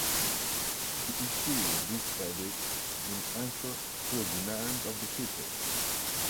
He issued this edict in answer to the demands of the people.